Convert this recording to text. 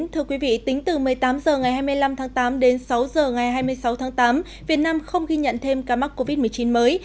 thưa quý vị tính từ một mươi tám h ngày hai mươi năm tháng tám đến sáu h ngày hai mươi sáu tháng tám việt nam không ghi nhận thêm ca mắc covid một mươi chín mới